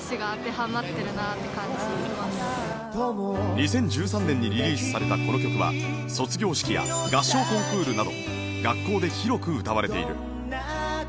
２０１３年にリリースされたこの曲は卒業式や合唱コンクールなど学校で広く歌われている